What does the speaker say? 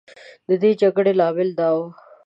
د دې جګړې لامل دا و.